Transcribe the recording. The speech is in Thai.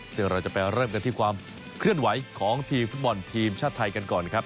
ซึ่งเราจะไปเริ่มกันที่ความเคลื่อนไหวของทีมฟุตบอลทีมชาติไทยกันก่อนครับ